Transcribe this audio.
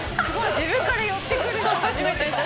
自分から寄ってくる人初めてだ。